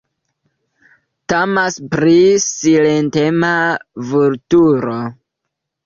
Temas pri silentema vulturo.